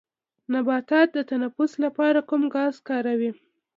نباتات د تنفس لپاره کوم ګاز کاروي